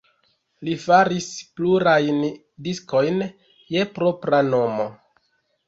Li faris plurajn diskojn je propra nomo.